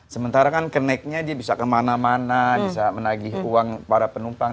sementara kan keneknya dia bisa kemana mana bisa menagih uang para penumpang